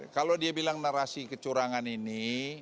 kalau dia bilang narasi kecurangan ini